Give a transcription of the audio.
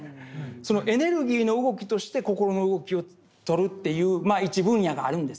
そのエネルギーの動きとして心の動きをとるというまあ一分野があるんですよ。